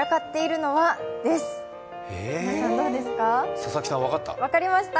佐々木さん、分かりました？